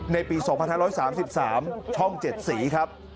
ในปี๒๕๓๓ช่อง๗สีครับ